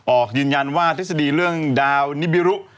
ออกยืนยันว่าทฤษฎีเรื่องดาวนิบิรุ